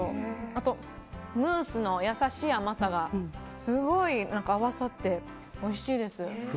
あとムースの優しい甘さがすごい合わさって、おいしいです。